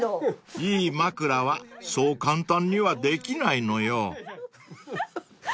［いい枕はそう簡単にはできないのよ］